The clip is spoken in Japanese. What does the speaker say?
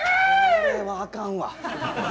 これはあかん。